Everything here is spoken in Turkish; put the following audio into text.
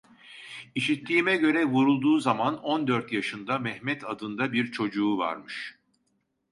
İşittiğime göre vurulduğu zaman on dört yaşında Mehmet adında bir çocuğu varmış.